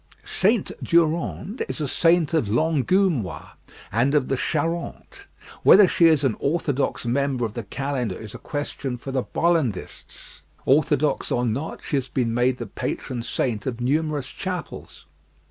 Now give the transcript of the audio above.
Saint Durande is a saint of l'Angoumois, and of the Charente; whether she is an orthodox member of the calendar is a question for the Bollandists: orthodox or not, she has been made the patron saint of numerous chapels.